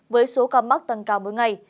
với số ca mắc tăng cao mỗi ngày